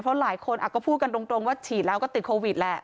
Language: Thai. เพราะหลายคนก็พูดกันตรงว่าฉีดแล้วก็ติดโควิดแหละ